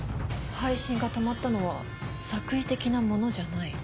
配信が止まったのは作為的なものじゃない。